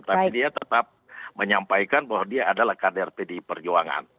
tapi dia tetap menyampaikan bahwa dia adalah kader pdi perjuangan